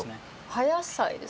葉野菜です？